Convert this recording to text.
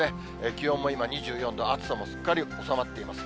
気温も今２４度、暑さもすっかり収まっています。